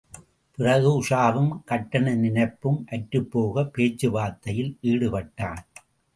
பிறகு உஷாவும், கட்டண நினைப்பும் அற்றுப்போக பேச்சு வார்த்தையில் ஈடுபட்டான்.